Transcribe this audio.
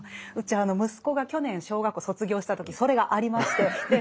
うち息子が去年小学校卒業した時それがありまして。